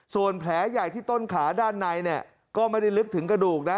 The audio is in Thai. ส่วนแผลใหญ่ที่ต้นขาด้านในเนี่ยก็ไม่ได้ลึกถึงกระดูกนะ